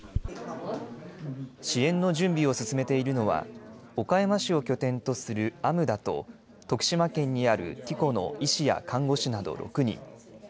支援の準備を進めているのは岡山市を拠点とするＡＭＤＡと徳島県にあるＴＩＣＯの医師や看護師など６人。